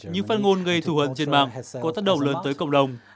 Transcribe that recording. những phát ngôn gây thù hận trên mạng có tác động lớn tới cộng đồng